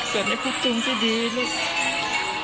เป็นในภูมิทุนที่ดีลูก